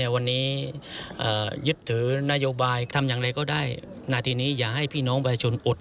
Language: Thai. วันนี้ยึดถือนโยบายทำอย่างไรก็ได้นาทีนี้อย่าให้พี่น้องประชาชนอด